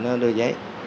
nó đưa giấy